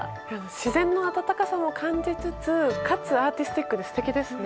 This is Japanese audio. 自然の温かさも感じつつかつアーティスティックで素敵ですね。